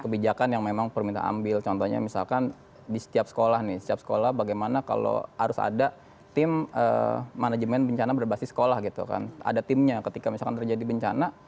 kebijakan yang memang permintaan ambil contohnya misalkan di setiap sekolah nih setiap sekolah bagaimana kalau harus ada tim manajemen bencana berbasis sekolah gitu kan ada timnya ketika misalkan terjadi bencana